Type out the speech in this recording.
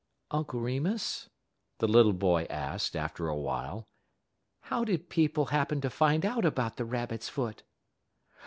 "Uncle Remus," the little boy asked, after a while, "how did people happen to find out about the rabbit's foot?"